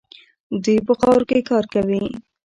دوی په خاورو کې کار کوي.